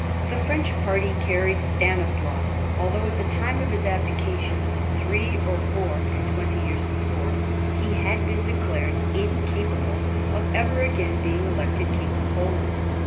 The French party carried Stanislaus, although at the time of his abdication, three or four and twenty years before, he had been declared incapable of ever again being elected King of Poland.